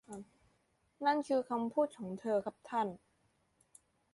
นั่นคือคำพูดของเธอครับท่าน